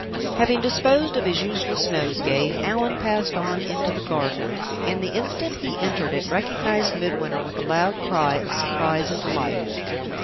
Having disposed of his useless nosegay, Allan passed on into the garden, and the instant he entered it recognized Midwinter with a loud cry of surprise and delight.